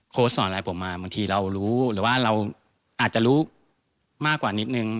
สอนอะไรผมมาบางทีเรารู้หรือว่าเราอาจจะรู้มากกว่านิดนึง